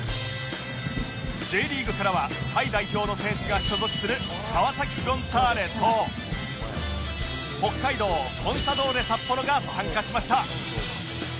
Ｊ リーグからはタイ代表の選手が所属する川崎フロンターレと北海道コンサドーレ札幌が参加しました